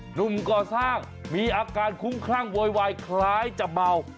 หนุ่มก่อสร้างมีอาการคุ้มคลั่งโวยวายคล้ายจะเมา